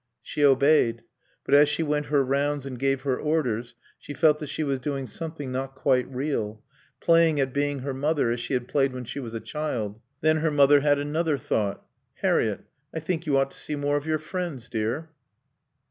She obeyed. But as she went her rounds and gave her orders she felt that she was doing something not quite real, playing at being her mother as she had played when she was a child. Then her mother had another thought. "Harriett, I think you ought to see more of your friends, dear."